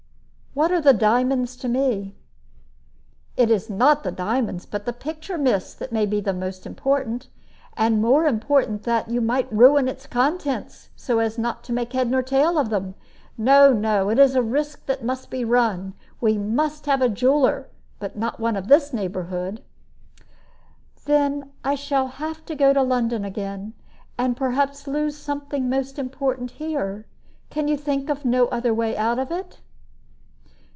What are the diamonds to me?" "It is not the diamonds, but the picture, miss, that may be most important. And more than that, you might ruin the contents, so as not to make head or tale of them. No, no; it is a risk that must be run; we must have a jeweler, but not one of this neighborhood." "Then I shall have to go to London again, and perhaps lose something most important here. Can you think of no other way out of it?"